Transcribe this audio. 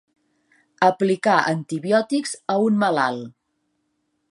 Aplicar antibiòtics a un malalt.